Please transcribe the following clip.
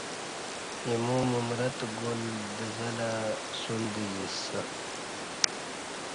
ایمو ممرتہ گلہ د زہ لہ سن د زیسہ